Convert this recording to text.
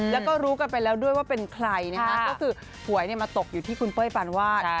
แล้วก็รู้กันไปแล้วด้วยว่าเป็นใครนะฮะก็คือหวยมาตกอยู่ที่คุณเป้ยปานวาด